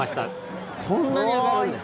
こんなに揚がるんですね。